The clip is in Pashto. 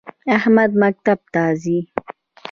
احمد مکتب ته ځی